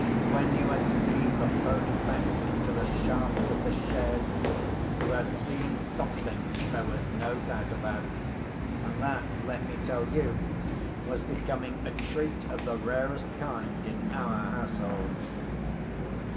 When you had seen the pony backed into the shafts of the chaise, you had seen something there was no doubt about. And that, let me tell you, was becoming a treat of the rarest kind in our household.